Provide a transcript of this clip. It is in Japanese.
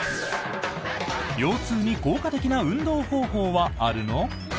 腰痛に効果的な運動方法はあるの？